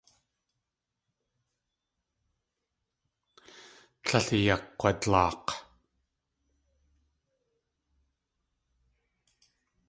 Tlél ayakg̲wadlaak̲.